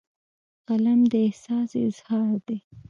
قلم د احساس اظهار دی